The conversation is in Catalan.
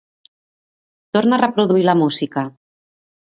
Torna a reproduir la música.